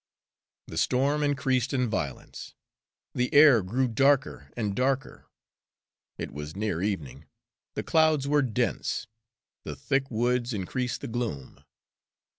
The storm increased in violence. The air grew darker and darker. It was near evening, the clouds were dense, the thick woods increased the gloom.